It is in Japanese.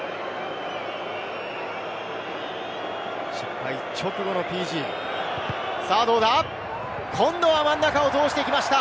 失敗直後のペナルティーゴール、今度は真ん中を通してきました。